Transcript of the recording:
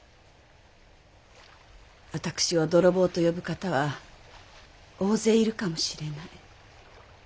私を泥棒と呼ぶ方は大勢いるかもしれない。